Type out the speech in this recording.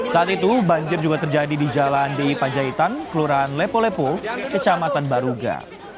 saat itu banjir juga terjadi di jalan di panjaitan kelurahan lepo lepo kecamatan baruga